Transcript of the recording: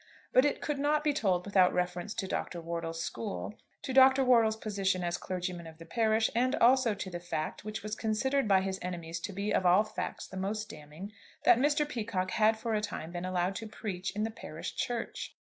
But it could not be told without reference to Dr. Wortle's school, to Dr. Wortle's position as clergyman of the parish, and also to the fact which was considered by his enemies to be of all the facts the most damning, that Mr. Peacocke had for a time been allowed to preach in the parish church.